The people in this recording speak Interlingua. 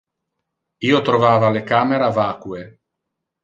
Io trovava le camera vacue.